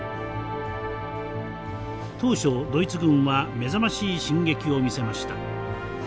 当初ドイツ軍は目覚ましい進撃を見せました。